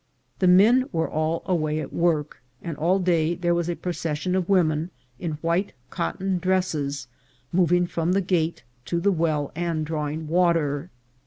417 The men were all away at work, and all day there was a procession of women in white cotton dresses moving from the gate to the well and drawing water.